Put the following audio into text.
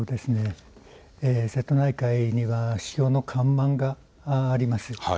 瀬戸内海には潮の干満があります。